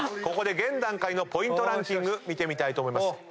ここで現段階のポイントランキング見てみたいと思います。